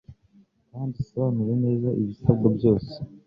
kandi isobanure neza ibisabwa byose